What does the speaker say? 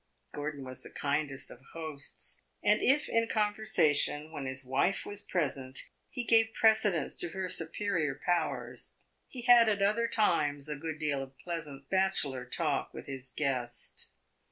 Gordon was the kindest of hosts, and if in conversation, when his wife was present, he gave precedence to her superior powers, he had at other times a good deal of pleasant bachelor talk with his guest.